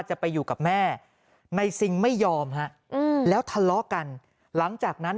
จะไปอยู่กับแม่ในซิงไม่ยอมฮะแล้วทะเลาะกันหลังจากนั้น